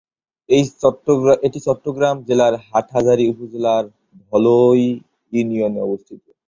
এটি চট্টগ্রাম জেলার হাটহাজারী উপজেলার ধলই ইউনিয়নে অবস্থিত।